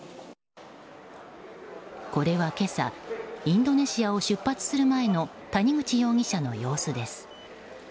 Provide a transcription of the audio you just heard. これは今朝インドネシアを出発する前の谷口容疑者の様子です。